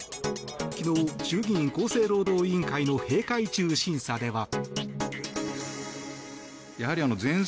昨日、衆議院厚生労働委員会の閉会中審査では。